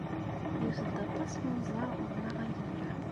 Iwet-d aṭas n unẓar ɣer-neɣ ayyur-a.